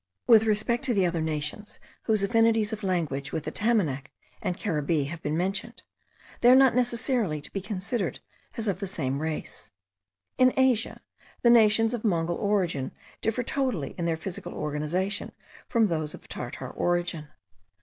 With respect to the other nations whose affinities of language with the Tamanac and Caribbee have been mentioned, they are not necessarily to be considered as of the same race. In Asia, the nations of Mongol origin differ totally in their physical organisation from those of Tartar origin.